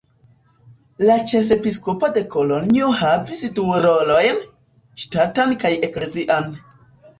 La ĉefepiskopo de Kolonjo havis du rolojn: ŝtatan kaj eklezian.